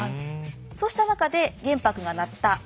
そうした中で玄白がなった藩医。